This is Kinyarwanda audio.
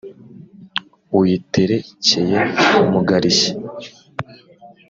uyiterekeye mugarishya